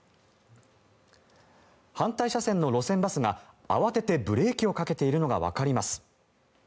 反対車線の路線バスが慌ててブレーキをかけているのがわかります。